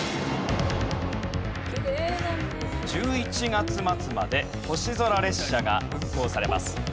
１１月末まで星空列車が運行されます。